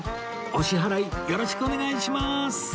お支払いよろしくお願いしまーす